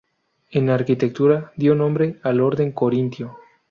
En arquitectura, dio nombre al orden corintio.